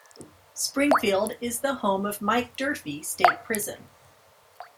Springfield is home of the Mike Durfee State Prison.